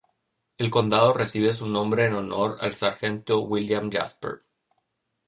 El condado recibe su nombre en honor al Sargento William Jasper.